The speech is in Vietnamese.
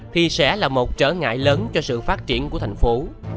thì sẽ là một trở ngại lớn cho sự phát triển của thành phố